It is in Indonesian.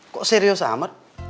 kok serius amat